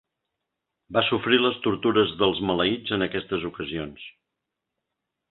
Va sofrir les tortures dels maleïts en aquestes ocasions.